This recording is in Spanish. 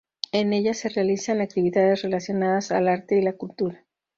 En ella se realizan actividades relacionadas al arte y la cultura.